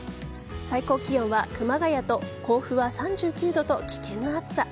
最高気温は熊谷と甲府は３９度と危険な暑さ。